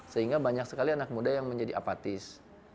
sehingga banyak sekali anak muda yang menjadi apatis